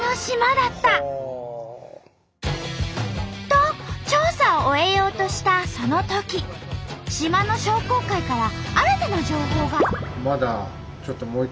と調査を終えようとしたそのとき島の商工会から新たな情報が！